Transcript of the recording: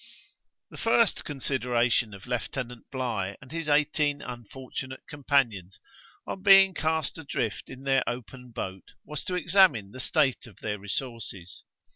The first consideration of Lieutenant Bligh and his eighteen unfortunate companions, on being cast adrift in their open boat, was to examine the state of their resources.